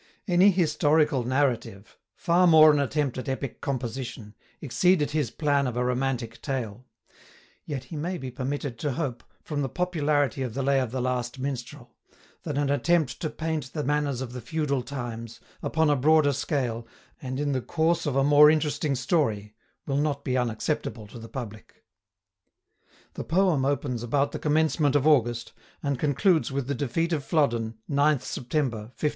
Any Historical Narrative, far more an attempt at Epic composition, exceeded his plan of a Romantic Tale; yet he may be permitted to hope, from the popularity of THE LAY OF THE LAST MINSTREL, that an attempt to paint the manners of the feudal times, upon a broader scale, and in the course of a more interesting story, will not be unacceptable to the Public. The Poem opens about the commencement of August, and concludes with the defeat of Flodden, 9th September, 1513.